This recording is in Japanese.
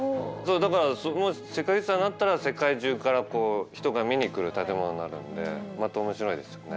だから世界遺産になったら世界中から人が見に来る建物になるんでまた面白いですよね。